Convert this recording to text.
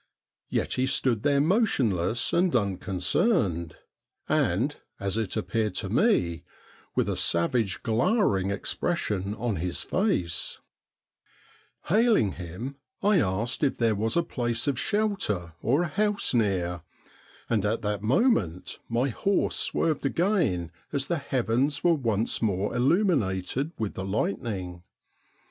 Yet he stood there motionless and unconcerned, and, as it appeared to me, with a savage glowering expression ■on his face. 82 STORIES WEIRD AND WONDERFUL Hailing him, I asked if there was a place of shelter or a house near, and at that moment my horse swerved again, as the heavens were once more illuminated with the lightning.